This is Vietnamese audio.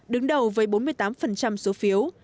đứng đầu với bốn mươi tám số phiếu